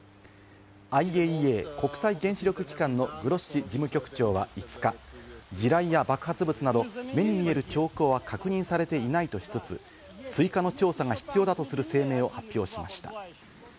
ＩＡＥＡ＝国際原子力機関のグロッシ事務局長は５日、地雷や爆発物など目に見える兆候は確認されていないとしつつ、追加の調査が必要だとする声明を発表しました。